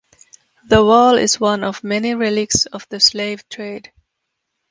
The wall is one of many relics of the slave trade.